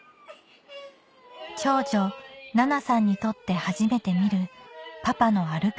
長女・奈那さんにとって初めて見るパパの歩く